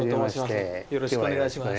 よろしくお願いします。